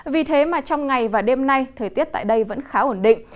vì thế mà trong ngày và đêm nay thời tiết tại đây vẫn khá ổn định